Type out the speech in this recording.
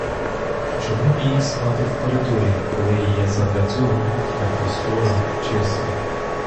Чому б їй спати в коридорі, коли є задля цього кухня простора, чиста?